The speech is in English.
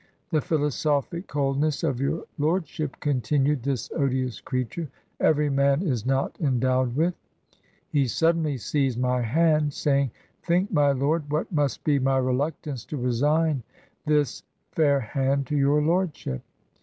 'The philosophic cold ness of your lordship,' continued this odious creature, 'every man is not endowed with.' ... He sud denly seized my hand, saying, ' Think, my Lord, what must be my reluctance to resign this fair hand to your lordship!'